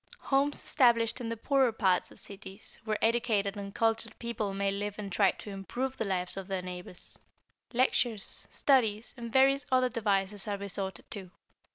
= Homes established in the poorer parts of cities, where educated and cultured people may live and try to improve the lives of their neighbors. Lectures, studies, and various other devices are resorted to.